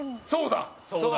そうだ！